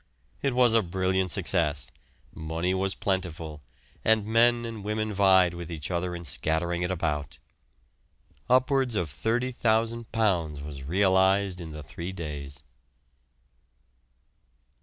It was a brilliant success, money was plentiful, and men and women vied with each other in scattering it about. Upwards of £30,000 was realised in the three days.